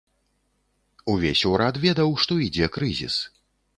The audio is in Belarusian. Увесь урад ведаў, што ідзе крызіс.